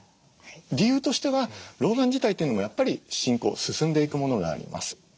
理由としては老眼自体というのもやっぱり進行進んでいくものがあります。